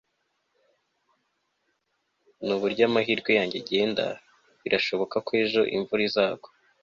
nuburyo amahirwe yanjye agenda, birashoboka ko ejo imvura izagwa